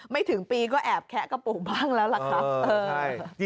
ไม่ถึงปีก็แอบแคะกระปุกบ้างแล้วล่ะครับ